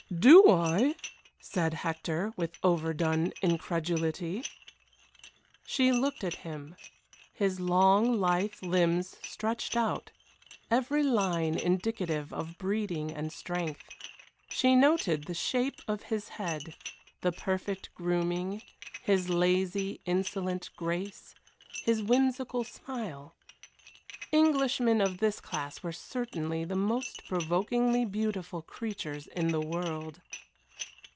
"Do I?" said Hector, with overdone incredulity. She looked at him. His long, lithe limbs stretched out, every line indicative of breeding and strength. She noted the shape of his head, the perfect grooming, his lazy, insolent grace, his whimsical smile. Englishmen of this class were certainly the most provokingly beautiful creatures in the world.